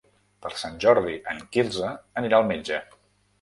Per Sant Jordi en Quirze anirà al metge.